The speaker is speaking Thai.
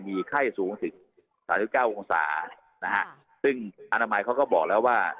มีไข้สูงถึงสามสิบเก้าองศานะฮะซึ่งอนามัยเขาก็บอกแล้วว่า